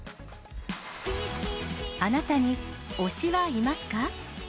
あなたに推しはいますか？